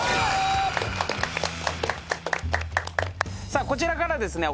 さあこちらからですね